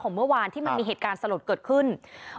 ของเมื่อวานที่มันมีเหตุการณ์เราอยากดูปกป้านสะหร่อย